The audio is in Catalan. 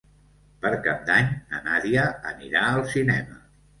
Per Cap d'Any na Nàdia anirà al cinema.